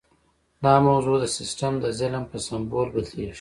دا موضوع د سیستم د ظلم په سمبول بدلیږي.